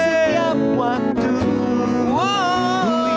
setiap saat setiap waktu